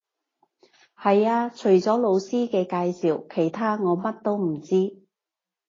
係呀，除咗老師嘅介紹，其他我乜都唔知